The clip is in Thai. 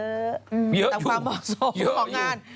เยอะอยู่ตามความเหมาะสมของงาน